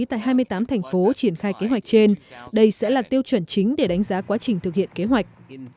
tại hai mươi tám thành phố triển khai kế hoạch trên đây sẽ là tiêu chuẩn chính để đánh giá quá trình thực hiện kế hoạch